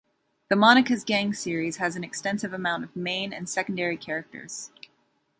The "Monica's Gang" series has an extensive amount of main and secondary characters.